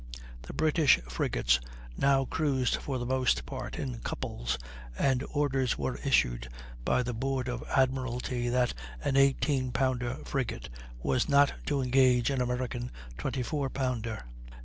The British frigates now cruised for the most part in couples, and orders were issued by the Board of Admiralty that an 18 pounder frigate was not to engage an American 24 pounder.